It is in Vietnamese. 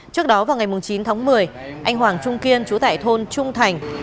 trước đó vào ngày chín tháng một mươi anh hoàng trung kiên chú tại thôn trung thành